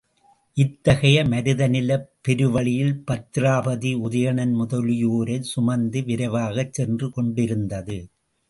இத்தகைய மருத நிலப் பெருவழியில் பத்திராபதி உதயணன் முதலியோரைச் சுமந்து விரைவாகச் சென்று கொண்டிருந்தது.